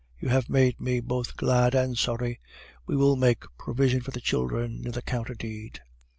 You have made me both glad and sorry. We will make provision for the children in the counter deed.